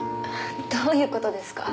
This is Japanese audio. どういう事ですか？